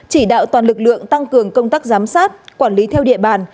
chỉ đạo toàn lực lượng tăng cường công tác giám sát quản lý theo địa bàn